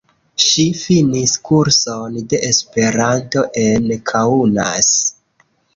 Ŝi finis kurson de Esperanto en Kaunas.